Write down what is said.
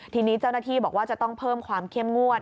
ทีนี้เจ้าหน้าที่บอกว่าจะต้องเพิ่มความเข้มงวด